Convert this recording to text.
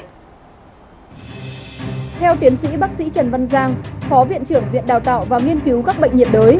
theo tiến sĩ bác sĩ trần văn giang phó viện trưởng viện đào tạo và nghiên cứu các bệnh nhiệt đới